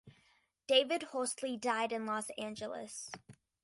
David Horsley died in Los Angeles.